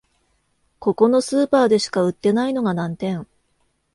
ここのスーパーでしか売ってないのが難点